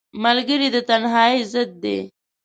ملګری د تنهایۍ ضد دی